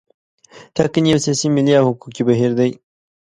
ټاکنې یو سیاسي، ملي او حقوقي بهیر دی.